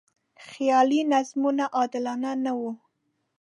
خیالي نظمونه عادلانه نه و.